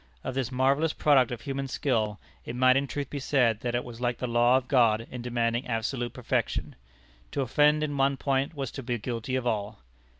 Of this marvellous product of human skill, it might in truth be said, that it was like the law of God in demanding absolute perfection. To offend in one point was to be guilty of all.